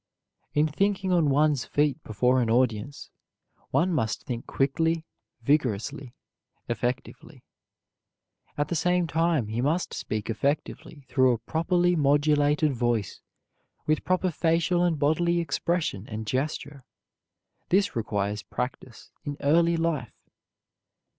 In thinking on one's feet before an audience, one must think quickly, vigorously, effectively. At the same time he must speak effectively through a properly modulated voice, with proper facial and bodily expression and gesture. This requires practise in early life.